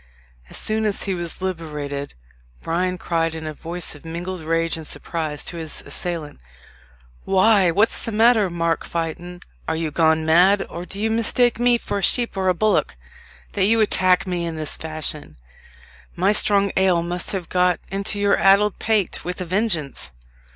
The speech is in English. As soon as he was liberated, Bryan cried in a voice of mingled rage and surprise to his assailant, "Why, what's the matter, Mark Fytton? are you gone mad, or do you mistake me for a sheep or a bullock, that you attack me in this fashion? My strong ale must have got into your addle pate with a vengeance.